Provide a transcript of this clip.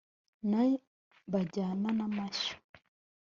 n bajyana n amashyo